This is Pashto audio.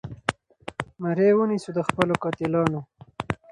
مرۍ ونیسو د خپلو قاتلانو